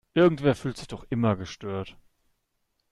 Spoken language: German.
Irgendwer fühlt sich doch immer gestört.